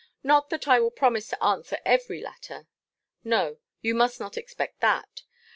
Not that I will promise to answer every latter: no, you must not expect that.